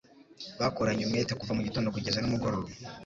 Bakoranye umwete kuva mugitondo kugeza nimugoroba